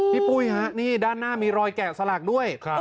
ปุ้ยฮะนี่ด้านหน้ามีรอยแกะสลักด้วย